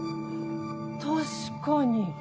確かに。